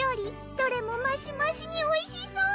どれもマシマシにおいしそう！